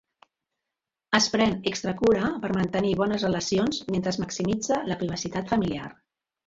Es pren extra cura per mantenir bones relacions mentre es maximitza la privacitat familiar.